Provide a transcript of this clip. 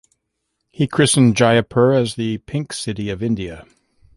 He christened Jaipur as 'the Pink City of India'.